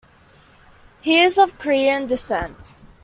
He is of Korean descent.